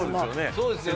そうですよね。